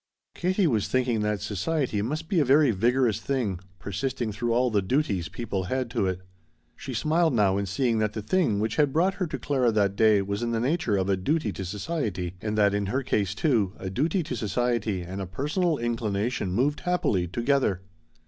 Katie was thinking that society must be a very vigorous thing, persisting through all the "duties" people had to it. She smiled now in seeing that the thing which had brought her to Clara that day was in the nature of a "duty to society" and that in her case, too, a duty to society and a personal inclination moved happily together.